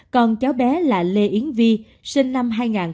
còn cháu bé là lê yến vi sinh năm hai nghìn một mươi bảy